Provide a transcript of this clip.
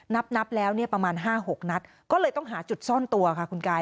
นับนับแล้วเนี่ยประมาณ๕๖นัดก็เลยต้องหาจุดซ่อนตัวค่ะคุณกาย